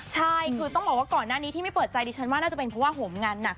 ใช่คือต้องบอกว่าก่อนหน้านี้ที่ไม่เปิดใจดิฉันว่าน่าจะเป็นเพราะว่าโหมงานหนัก